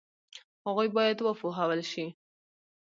هغوی باید وپوهول شي.